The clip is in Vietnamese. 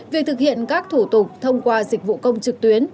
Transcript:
việc thực hiện các thủ tục thông qua dịch vụ công trực tuyến